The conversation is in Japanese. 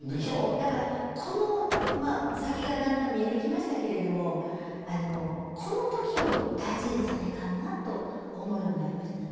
だからこのまあ先がだんだん見えてきましたけれどもあのこの時を大事にせないかんなと思うようになりましたね。